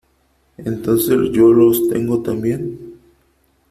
Entonces yo los tengo también .